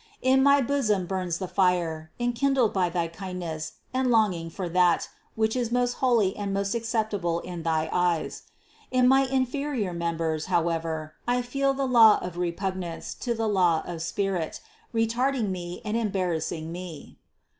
In my bosom burns the fire, enkindled by thy kindness and longing for that, which is most holy and most acceptable to thy eyes. In my inferior members, however, I feel the law of re pugnance to the law of the spirit, retarding me and em barrassing me.